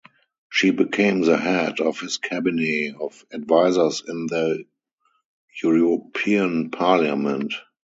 She became the head of his cabinet of advisors in the European Parliament.